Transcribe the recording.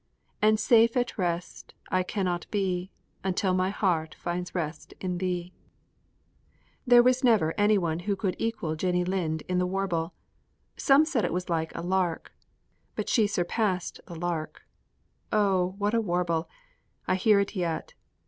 And safe at rest I cannot be Until my heart finds rest in Thee. There never was anyone who could equal Jenny Lind in the warble. Some said it was like a lark, but she surpassed the lark. Oh, what a warble! I hear it yet.